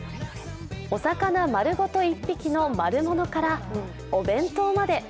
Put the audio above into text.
お魚丸ごと１匹の丸物からお弁当まで。